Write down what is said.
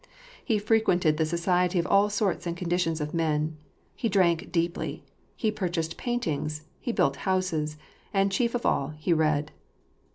He frequented the society of all sorts and conditions of men, he drank deeply, he purchased paint inj^, he built houses, and, chief of all, he read.